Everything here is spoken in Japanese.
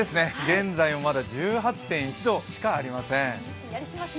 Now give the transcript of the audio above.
現在もまだ１８．１度しかありません。